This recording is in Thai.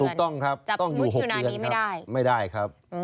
ถูกต้องครับต้องอยู่๖เดือนครับไม่ได้ครับ